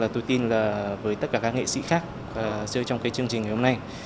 tôi tin là với tất cả các nghệ sĩ khác chơi trong cái chương trình ngày hôm nay